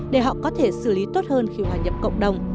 để họ có thể xử lý tốt hơn khi hòa nhập cộng đồng